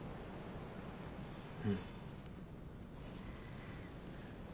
うん。